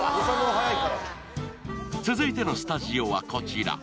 続いてのスタジオはこちら。